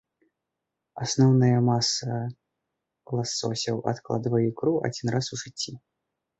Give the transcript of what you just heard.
Асноўная маса ласосяў адкладвае ікру адзін раз у жыцці.